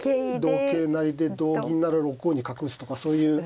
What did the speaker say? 同桂成で同銀なら６五に角打つとかそういう。